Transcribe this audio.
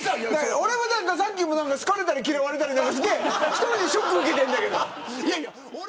さっきから好かれたり嫌われたり１人でショックを受けているんだけど。